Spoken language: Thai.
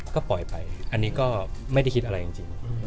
ก็ปล่อยไปอันนี้ก็ไม่ได้คิดอะไรจริง